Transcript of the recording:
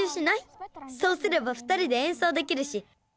そうすれば２人でえんそうできるし。